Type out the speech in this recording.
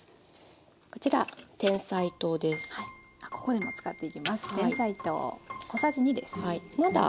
ここでも使っていきますてんさい糖。